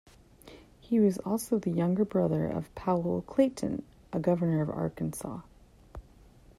He was also the younger brother of Powell Clayton, a Governor of Arkansas.